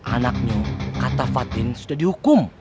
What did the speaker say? anaknya kata fatin sudah dihukum